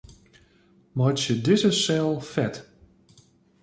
Meitsje dizze sel fet.